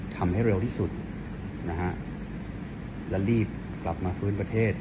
ทำให้เร็วที่สุดนะฮะและรีบกลับมาฟื้นประเทศ